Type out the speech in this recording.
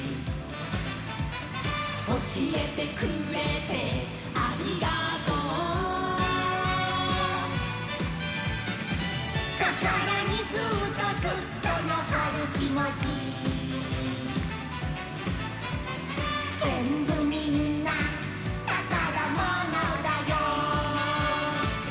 「おしえてくれてありがとう」「こころにずっとずっとのこるきもち」「ぜんぶみんなたからものだよ」